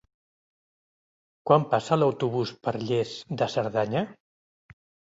Quan passa l'autobús per Lles de Cerdanya?